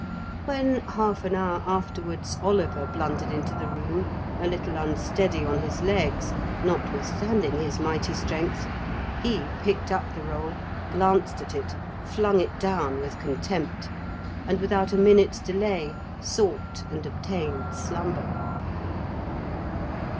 When, half an hour afterwards, Oliver blundered into the room, a little unsteady on his legs, notwithstanding his mighty strength, he picked up the roll, glanced at it, flung it down with contempt, and without a minute's delay sought and obtained slumber.